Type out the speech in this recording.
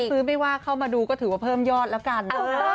ซื้อไม่ว่าเข้ามาดูก็ถือว่าเพิ่มยอดแล้วกัน